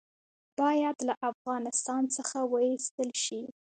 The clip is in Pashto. باید له افغانستان څخه وایستل شي.